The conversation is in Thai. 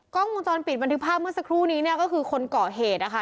กล้องวงจรปิดบันทึกภาพเมื่อสักครู่นี้เนี่ยก็คือคนเกาะเหตุนะคะ